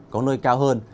có nơi cao hơn